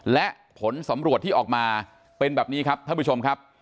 และผลสำรวจที่ออกมาเป็นแบบนี้ครับท่านผู้ชมครับ